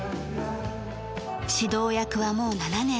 指導役はもう７年。